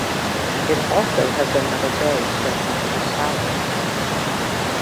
It also has another bay stretching to the south.